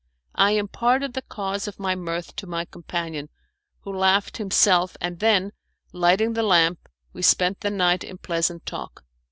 I imparted the cause of my mirth to my companion, who laughed himself, and then, lighting the lamp, we spent the night in pleasant talk.